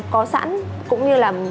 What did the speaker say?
có sẵn cũng như là